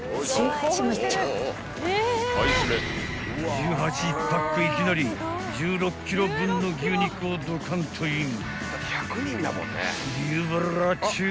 ［１８パックいきなり１６ｋｇ分の牛肉をドカンとイン］